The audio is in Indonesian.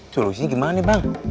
soalnya sih gimana ya bang